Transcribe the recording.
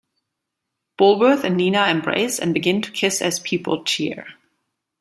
Bulworth and Nina embrace and begin to kiss as people cheer.